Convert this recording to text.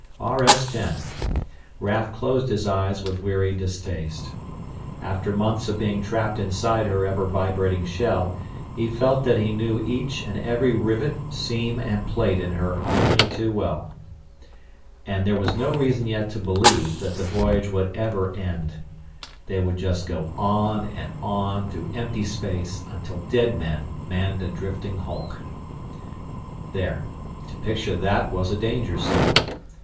RS 10 Raf closed his eyes with weary distaste. After months of being trapped inside her ever vibrating shell, he felt that he knew each and every rivet, seam, and plate in her only too well. And there was no reason yet to believe that the voyage would ever end. They would just go on and on through empty space until dead men manned a drifting hulk There to picture that was a danger signal.